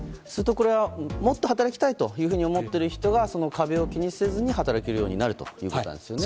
これはもっと働きたいと思っている人がその壁を気にせずに働けるようになるということなんですね。